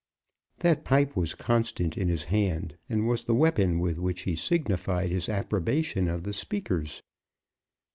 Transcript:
That pipe was constant in his hand, and was the weapon with which he signified his approbation of the speakers.